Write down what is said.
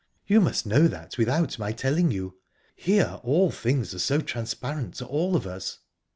"You must know that without my telling you. Here all things are so transparent to all of us."